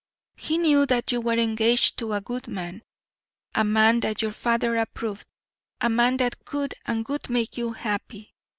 He knew that you were engaged to a good man, a man that your father approved, a man that could and would make you happy.